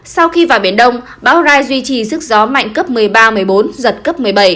sau khi vào biển đông bão ra duy trì sức gió mạnh cấp một mươi ba một mươi bốn giật cấp một mươi bảy